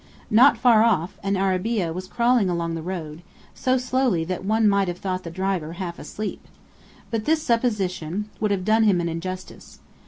Not far off, an arabeah was crawling along the road, so slowly that one might have thought the driver half asleep. But this supposition would have done him an injustice.